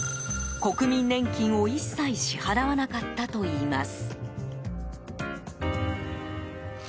国民年金を一切支払わなかったといいます。